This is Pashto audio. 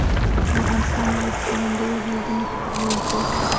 د افغانستان مڼې په ګاونډیو هیوادونو کې پلورل کیږي